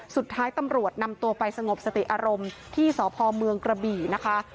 สุดท้ายตำรวจนำตัวไปสงบสติอารมณ์ที่สพเมืองกระบี่นะคะ